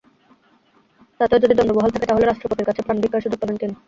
তাতেও যদি দণ্ড বহাল থাকে, তাহলে রাষ্ট্রপতির কাছে প্রাণভিক্ষার সুযোগ পাবেন তিনি।